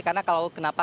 karena kalau kenapa